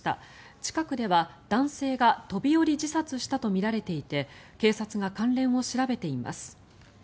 近くでは、男性が飛び降り自殺したとみられていて警察が関連を調べています。